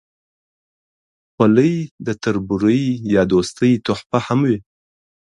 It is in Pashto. خولۍ د تربورۍ یا دوستۍ تحفه هم وي.